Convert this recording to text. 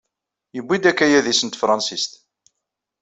Yewwi-d akayad-is n tefṛansit.